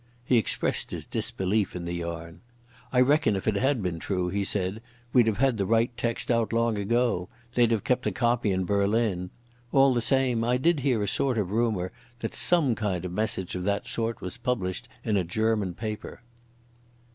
He expressed his disbelief in the yarn. "I reckon if it had been true," he said, "we'd have had the right text out long ago. They'd have kept a copy in Berlin. All the same I did hear a sort of rumour that some kind of message of that sort was published in a German paper."